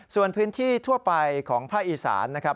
ส่วนพื้นที่ทั่วไปของภาคอีสานนะครับ